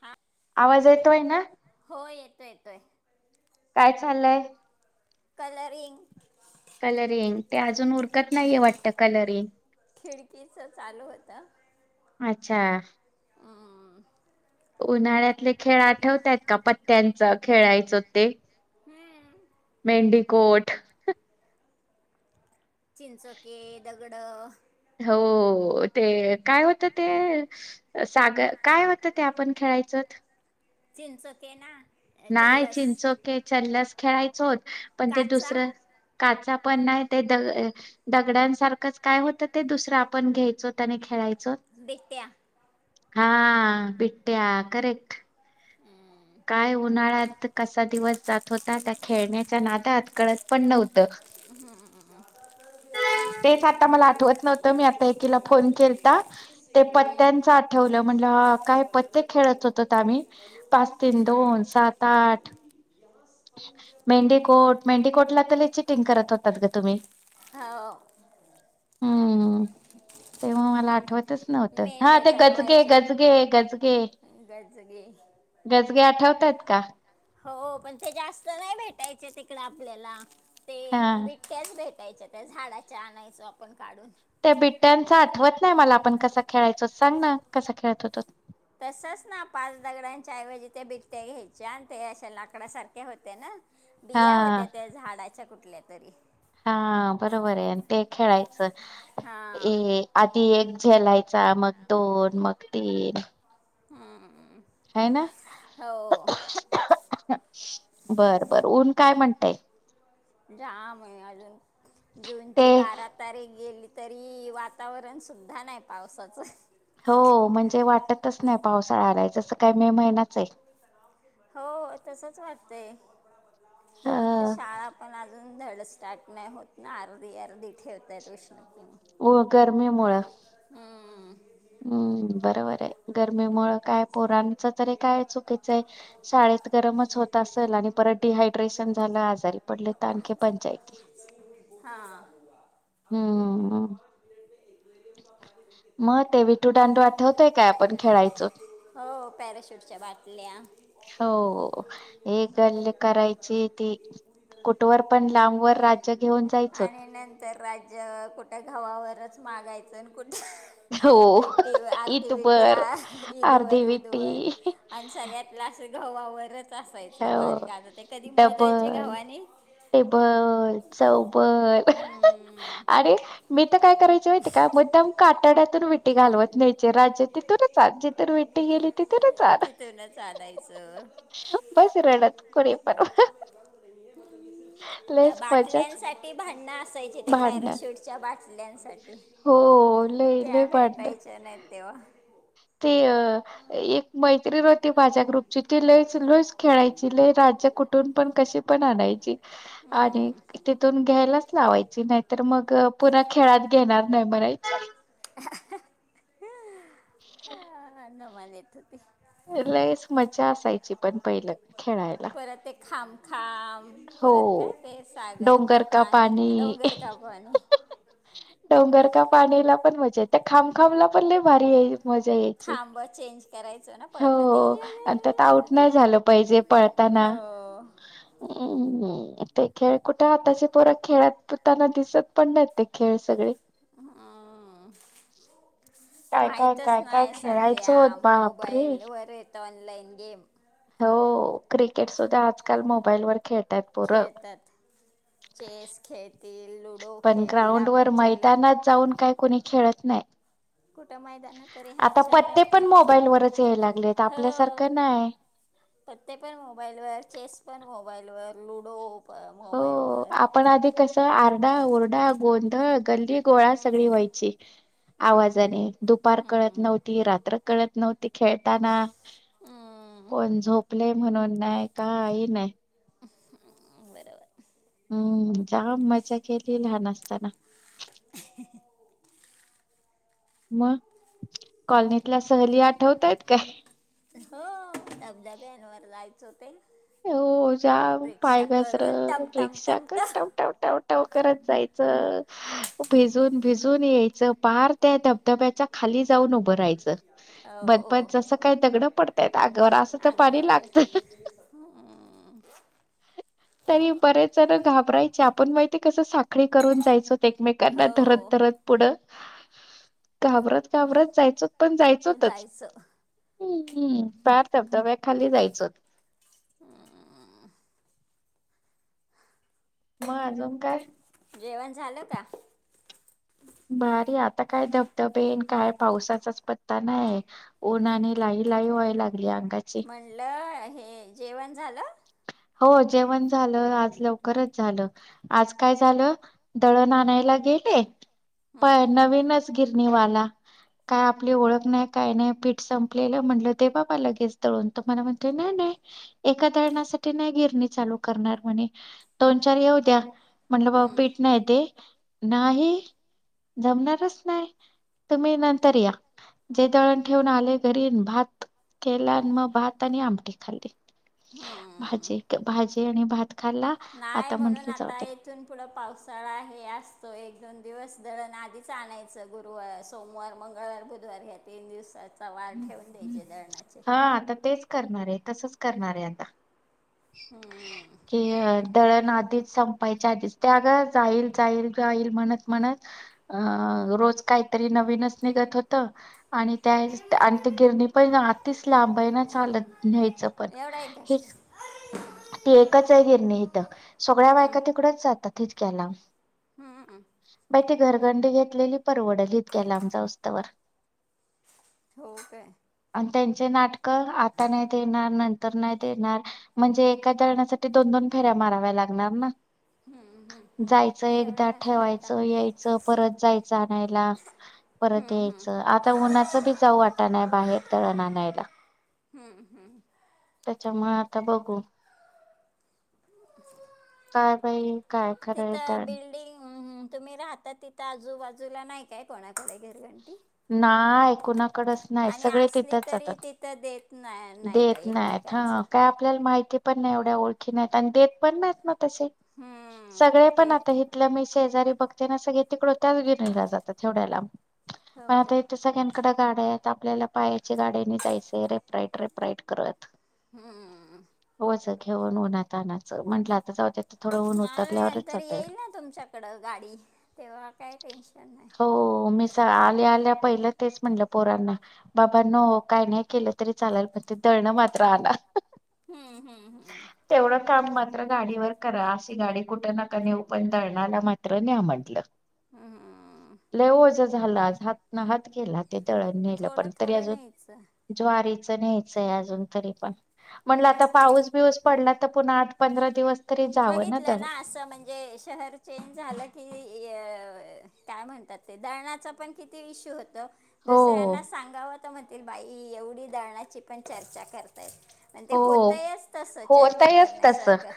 हा आवाज येतोय ना? हो येतोय येतोय. काय चाललंय? कलरिंग कलरिंग, ते अजून खि उरकत नाहीये वाटत कलरिंग? आ अच्छा! उन्हाळ्यातले खेळ आठवत्यात का पत्त्यांच खेळायचो ते? हम्म मेंडीकोट चिंचोके, दगडं हो हो ते काय होतं ते सागर काय होतं ते आपण खेळायचोत? चिंचोके ना! नाही चल्लस चिंचोक, चलस खेळायचोचं पण ते काचा दुसरं काचा पण नाही ते द दगडांसारखंच काय होतं ते दुसरं आपण घेयचो त्यांनी खेळायचो? पिट्टया हा पिट्टया करेक्ट. हम्म. काय उन्हाळ्यात कसा दिवस जात होता त्या खेळण्याच्या नादात कळत पण नव्हतं. हम [inaudible] तेच आता मला आठवतं नव्हत मी आ एकीला फोन केलता, ते पत्त्यांच आठवलं मला. काय पत्त्या खेळत होतोत आम्ही, पाच तीन दोन सात आठ. चिटींग करतं होतात ग तुम्हीं. हो तेव्हा मला आठवतच नव्हतं, हा मेंढ्या ते गजगे, चढवायच्या गजगे, गजगे गजगे ठेवत्यात का? हो पण ते जास्त नाही भेटायचे तिकडं आपल्याला, हा ते बिट्टयाच भेटा यच्या त्या झाडाच्या आणायचो आपणं. त्या बिट्टयांच आठवतं नाही मला आपण कसा खेळायचो सांग ना, कसा खेळतं होतो? तसंच ना पाच दगडांच्याऐवजी ते बिट्टया घ्यायच्या आणि ते अशे लाकडा सारख्या होत्या ना. बिया हा होत्या त्या झाडाच्या कुठल्या तरी. हा बरोबर ये ते खेळाय चो, हां ए आधी एक झेलायचा मग दोन मग तीन हम्मम हाय ना! बरं बर ऊन काय म्हणतंय? जाम आहे अजून, ते जूनची बारा तारीख गेली तरी वातावरण सुद्धा नाही पावसाचं. हो म्हणजे वाटतच नाही पावसाळा आलाय जसं काय मे महिनाचय. हो तसच वाटतय, ह म्हणून तर शाळा पण धड स्टार्ट नाही होत ना आर्धी-आर्धी ठेवत्यात. हो गरमी मुळं हम्म. हम्म बरोबर आहे गरमी मुळे काय पोरांच तरी काय चुकीचंय शाळेत गरमच होत असेल आणि परत डिहायड्रेशन झालं आजारी पडले तर आणखी पंचायती हा हम्मम मग ते विठू दांडू आठवतोय काय आपण खेळायचो हो पॅराशूटच्या बाटल्या हो एक गल्ल करायची ती कुठवर पण लांबवर राज्य घेऊन जायचं होत राज कुठ्या गावावरच हो विटी अर्धी विटी इथपर आ इदवर अर्धी उदवर विट्टी आणि सगळ्यातलं असं घवावरच असायचं हो बारीक आता ते कधी मोजायचे डबल गावाने टेबल चौबल हम्म, आणि मी तर काय करायच काम काटाड्यातून विटी घालत नाही राज त तरच ज वेट गेली त तरच आ तिथूनच आणायचं तरडात कोणी पार त्या बाटल्यांसाठी भांडणं असायचे, ते भांडण पॅराशूटच्या बाटल्या बाटल्यांसाठी, हो लई त्या लई भांडण भेटायच्या नाही तेव्हा. ते अ एक मैत्री र माझ्या ग्रुपची, ती लय लय खेळायची लय राज्य कुठून पण कशी पण आणायची. आणि हम्म. तिथून घ्यायला लावायची नाहीतर मग पुन्हा खेळात घेणार नाही म्हणायचे. ह [unintelligible] ह [inaudible] धमाल येत होती. लईच मज्जा असायची पण पहिलं खेळायला. परत ते खाम खाम हो परत काय ते, सागर, का पाणी डोंगर, का पाणी डोंगर का पाणीला पण मजा ते खब खाबला पण ल भारी मजा यायची थाब चेंज करायचं ना हो पळत आणि त्यात आऊट ये नाही झालं हो. हम् ते खेळ कुठे आत्ताचे पोर खेळातताना दिसत पण नाही. ते खेळ सगळे हा. काय काय माहितच काय काय नाही सध्या, खेळायचो बापरे. मोबाईलवर येत ऑनलाइन गेम हो, क्रिकेट सुद्धा आजकाल मोबाईल वर खेळतात पोर. खेळतात चेस खेळतील, लुडो पण खेळतील, ग्राउंड वर आपण चल मैदानात जाऊन काय कोणी खेळत नाही. कुठं मैदान तरी आहेत आता पत्ते शहरात तर पण मोबाईल वरच याय लागलेत. हो आपल्यासारखं नाही. पत्ते पण मोबाईल वर, चेस पण मोबाईल वर, लुडो मोबाईल वर हो आपण आधी कस आरडा, ओरडा, गोंधळ, गल्ली गोळा हम्म, सगळी व्हायची. आवाजाने, दुपार कळत हम्म. नव्हती, रात्र कळत नव्हती. खेळताना हम्म कोण झोपले म्हणून नाही, काही नाही. बरोबर. हम्म, जाम मजा केली लहान असताना. [inaudible] मग कॉलनीतल्या सहली आठवतायत काय? हो धबधाब्यानवर जायचं ते हो जाम पाय घसर, करून टम टम रिक्षा टम करत टम टमटम करत जायचं. भिजून, भिजून, यायच पार त्या धबधब्याच्या खाली जाऊन उभं राहायचं. बदबत जसं काही दगडं पडतायत हो, अंगावर असं तर पाणी लागतं. अंगावर हम्म. तरी बरेचण घाबरायची, आपण माहितीय कसं साखळी करून जायचोत एकमेकांना धरत धरत पुढं घाबरत, घाबरत, हो जायचो पण जायचोतच. जायचं हम्म्म, पार धबधब्या खाली जायचं. ह [inaudible] मग अजून काय? जेवण झालं का? हम् [inaudible] भारी आता काय धबधबेन काय पावसाचाच पत्ता नाहीय, उन्हाने लाई, लाई, व्हाय लाग म्हणलं, हे जेवण झालं. ह [inaudible] हो जेवण झालं. आज लवकरच झालं. आज काय झालं दळण आणायला गेल भ प हम्म नवीनच गिरणीवाला [unintelligible] काय आपली ओळख नाही, काय नाही, पीठ संपलेलं म्हटलं, दे बाबा लगेच दळून तो मला म्हणतो नाही नाही एका दळणासाठी नाही गिरणी चालू करणार म्हणे, दोन चार येऊ द्या. म्हटलं बा हम्म पीठ नाहीय ते नाही. जमणारच नाही तुम्ही नंतर या. जे दळण ठेवून आले घरी भात केला आणि मग भात आणि आमटी खाल्ली. हम. भाजी भाजी आणि भात खाल्ला नाही आता म्हणून म्हंटले जाऊ आता दे येथून पुढं पावसाळा हे असतो एक दोन दिवस दळण आधीच आणायचं गुरुवार सोमवार मंगळवार बुधवार ह्या तीन दिवसात सवल ठेवून द्यायचे दळणाचे त आ. हम्म. आध काहीतरी नवीनच निघत होत आणि त्या अरे आणि मम्मी ते मी गिरणी पण भांगातलं आतिच लांब खाली आहे ना गेलो चालत न्यायचं पण स्कूलमध्ये एवढा एक घास हेच. खा. अरे नाही ती ना. एकच आहे गिरणी इथं सगळ्या बायका तिकडच जातात तितक्याला हम्मम. घरगंडी घेतलेली परवडली इतक्याला आमचा उस्तवर हो काय. त्यांचे नाटक आता नाही देणार नंतर नाही देणार म्हणजे एका जणासाठी दोन दोन फेऱ्या माराव्या लागणार ना. हम्म. जायचं ए, एवढा एकदा घास खाणं ठेवायचं टाकून यायचं द्यायचं परत जायचं आणायला. परत हम्म, हम्म, यायचं आता उन्हाचं बी जाऊ वाटा नाही बाहेर तळ आण आणयला. हम्म हम्म. त्याच्या म आता बघू. काय बाई काय खरं आहे तर तिथं बिल्डिंग तुम्ही राहता तिथं आजूबाजूला नाही काय कोणाकडे घरगं नाहीय कणाकडच नाही आणि सगळे असली तिथेच तरी जातात तिथं देत नाही नाहीत देत नाही. एकमेकांचं ह काय आपल्याला माहिती पण एवढ्या ओख नाही देत पण नाही ना त हम्म, सगळे पण ते आ. शजारी बघते स तिकड घेऊन जात तेव्याला हो पण काय आताथे सगळ्यां इकड्या गाड्या आहेत आपल्याला पायाच्या गाड्याने जायच रेपराईट रेपराईट करत. हम्मममम. वज घेऊन उन्ह आणनाच म्हट. म नंतर येईल ना तुमच्याकडं गाडी तेव्हा काही टेन्शन नाही. हो मी स आले आले. पहिलं तेच म्हणलं पोरांना बाबा न काय नाही केलं तरी चालायल ते धरणं मात्र आ हम्म, हम्म, हम्म. तेवढं. काम मात्र गाडीवर करा अशी गाडी कुठं नका नेऊ पण तळणाला मात्र नाही म्हटलं. हम्म. लेवज झाला हात न हात गेला. ते दळण नेलं थोडं पण तरी थोडं अजून न्यायचं ज्वारीच न्यायचंय अजून तरी पण म्हणलं आता पाऊस बिऊस पडला तर पुन्हा आठ पंधरा दिवस तरी जावं बघितलं दळण ना असं म्हणजे शहर चेंज झालं की काय म्हणतात ते दळणाचा पण किती इशू होत हो दुसऱ्यांना सांगाव म्हतील बाई एवढी दळणाची पण चर्चा करतायत. मण ते हो होतयच तस चर्चा होतयच तस करण्यासारखं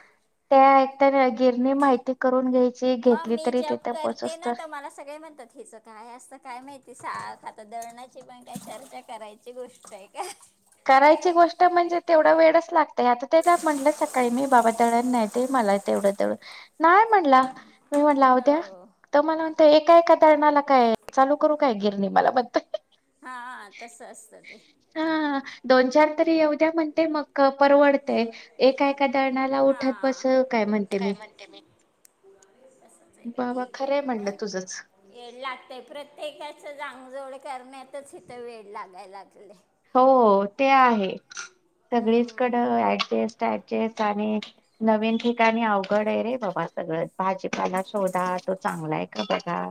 त्या एक तरर गिरणी माहिती करून घ्या. मग मी जप करते ना तर मला सगळे म्हणतात हिचं काय असतं काय माहिती साख आता दळणाची पण त्या चर्चा करायची गोष्ट आहे का. करायची गोष्ट म्हणजे तेवढा वेळच लागतय आता ते म्हटलं सकाळी मी बाबा दळण नाही ते म तेवढं तेवढं नाही म्हणला मी म्हटलं अद्या हो तर मला एका एका रणाला काय चालू करू काय गिरणी मला बत हा तस असतं ते दोन-चार तरी येऊ द्या म्हणते मग परवडतेय एका-एका दळणाला उठत बस हां काय म्हणते मी. बाबा खरे म्हणे. वेड लागतेय प्रत्येकाच जांगजोड करण्यात. तरच इथं वेळ लागायला लागले. हो ते आहे सगळीचकड हम्म. ऍडजेस्ट. ऍडजेस्ट आणि नवीन ठिकाणी अवघड आहे रे बाबा सगळं भाजीपाला शोधात. तो चांगला आहे का बघा.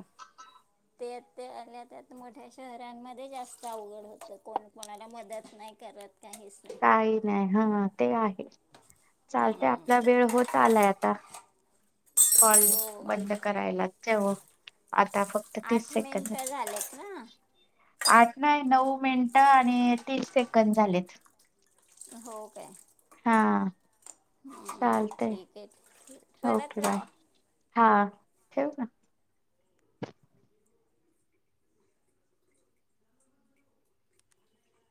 ते आल्या त्यात मोठ्या शहरांमध्ये जास्त अवघड होत, कोण कोणाला मदत नाही करत. काहीच नाही काही नाही, हा ते आहे, चालते आपला हम्म. वेळ होत आलाय आता. कॉल हो बंद करायला. ठेवू. आता फक्त तीस आठ सेकंद मिनटं राहिल्यात. झालेत ना आठ नाही नऊ. मिनट आणि तीस सेकंद झालेत. हो काय. हा हम् चालतय ठीक आहे परत. ओके बाय हा ठेव ना.